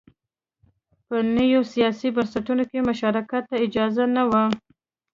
په نویو سیاسي بنسټونو کې مشارکت ته اجازه نه وه